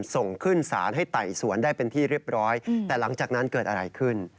ส่งขึ้นศาลให้ไต่สวนได้เป็นที่เรียบร้อยแต่หลังจากนั้นเกิดอะไรขึ้น